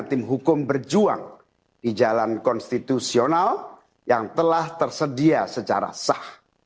tim hukum berjuang di jalan konstitusional yang telah tersedia secara sah